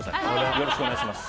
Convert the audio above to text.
よろしくお願いします。